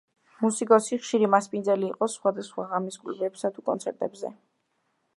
მუსიკოსი ხშირი მასპინძელი იყო სხვადასხვა ღამის კლუბებსა თუ კონცერტებზე.